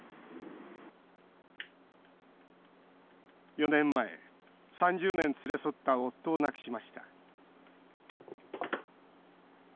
４年前、３０年連れ添った夫を亡くしました